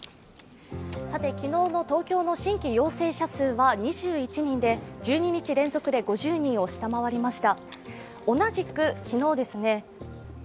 昨日の東京の新規陽性者数は２１人で１２日連続で５０人を下回りました。